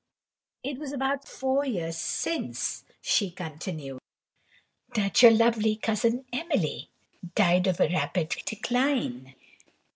It was about four years since," she continued, "that your lovely cousin Emily died of a rapid decline.